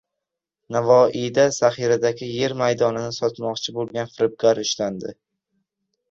Navoiyda zaxiradagi yer maydonini sotmoqchi bo‘lgan firibgar ushlandi